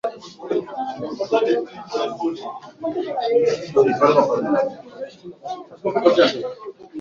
Afya ya mnyama kuzorota ni dalili ya homa ya mapafu